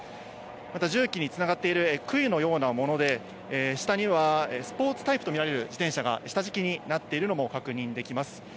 また重機につながっているくいのようなもので下にはスポーツタイプと見られる自転車が下敷きになっているのも確認できます。